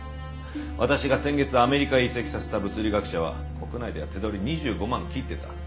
私が先月アメリカへ移籍させた物理学者は国内では手取り２５万切ってた。